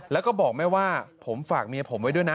แล้วก็บอกแม่ว่าผมฝากเมียผมไว้ด้วยนะ